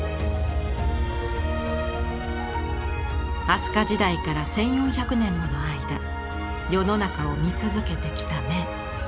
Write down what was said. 飛鳥時代から１，４００年もの間世の中を見続けてきた眼。